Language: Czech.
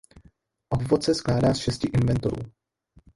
Obvod se skládá z šesti invertorů